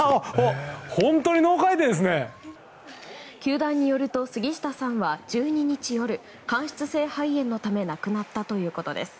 球団によると杉下さんは１２日夜、間質性肺炎のため亡くなったということです。